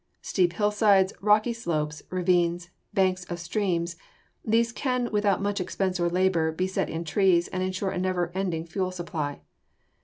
Steep hillsides, rocky slopes, ravines, banks of streams these can, without much expense or labor, be set in trees and insure a never ending fuel supply.